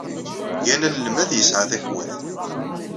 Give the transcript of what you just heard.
Yal anelmad yesɛa takwat.